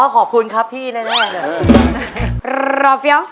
ขอบคุณครับพี่แน่